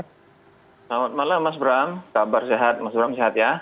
selamat malam mas bram kabar sehat mas bram sehat ya